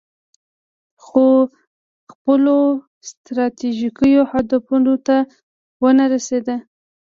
خو خپلو ستراتیژیکو اهدافو ته ونه رسید.